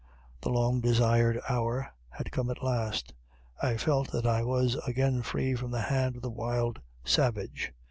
The long desired hour had come at last. I felt that I was again free from the hand of the wild savage.